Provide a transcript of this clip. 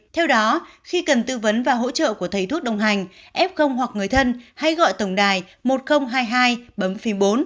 theo đó khi cần tư vấn và hỗ trợ của thầy thuốc đồng hành f hoặc người thân hay gọi tổng đài một nghìn hai mươi hai bấm phím bốn